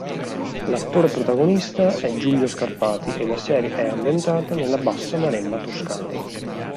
L'attore protagonista è Giulio Scarpati, e la serie è ambientata nella bassa Maremma toscana.